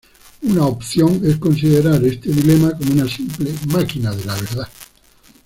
Una opción es considerar este dilema como una simple "máquina de la verdad".